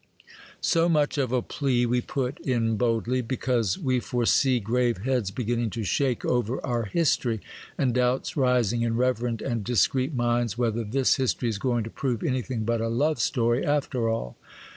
So much of a plea we put in boldly, because we foresee grave heads beginning to shake over our history, and doubts rising in reverend and discreet minds whether this history is going to prove anything but a love story, after all.